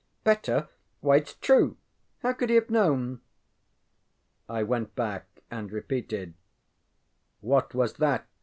ŌĆ£Better? Why itŌĆÖs true! How could he have known? ŌĆØ I went back and repeated: ŌĆ£ŌĆśWhat was that?